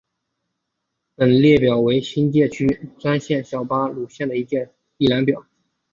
本列表为新界区专线小巴路线的一览表。